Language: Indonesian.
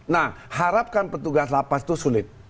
nah harapkan petugas lapas itu sulit